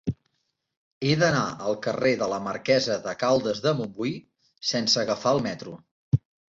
He d'anar al carrer de la Marquesa de Caldes de Montbui sense agafar el metro.